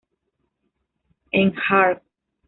En "Hark!